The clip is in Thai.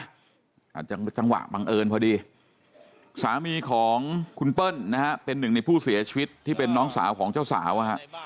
อาจจะจังหวะบังเอิญพอดีสามีของคุณเปิ้ลนะฮะเป็นหนึ่งในผู้เสียชีวิตที่เป็นน้องสาวของเจ้าสาว